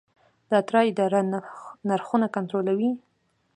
د اترا اداره نرخونه کنټرولوي؟